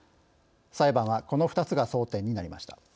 裁判は、この２つが争点になりました。